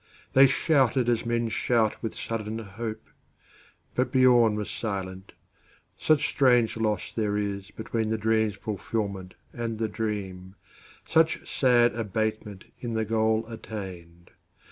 They shouted as men shout with sudden hope; But Biörn was silent, such strange loss there isBetween the dream's fulfilment and the dream, Such sad abatement in the goal attained.